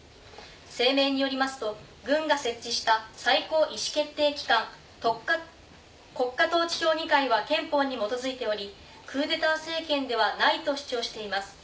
声明によりますと軍が設置した最高意思決定機関とっか国家統治評議会は憲法に基づいておりクーデター政権ではないと主張しています。